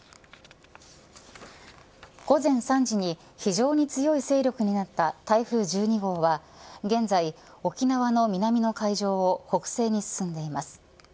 午前３時に非常に強い勢力になった台風１２号は現在、沖縄の南の海上を北西に進んでいます。